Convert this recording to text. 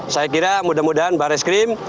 saya kira mudah mudahan baris krim